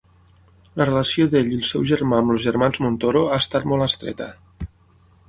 La relació d'ell i el seu germà amb els germans Montoro ha estat molt estreta.